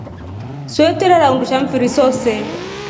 Swee twerara undusha mfiri sose.